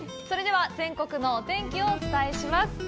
それでは全国のお天気をお伝えします。